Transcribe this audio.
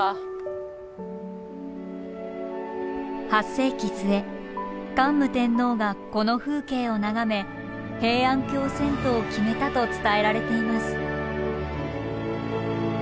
８世紀末桓武天皇がこの風景を眺め平安京遷都を決めたと伝えられています。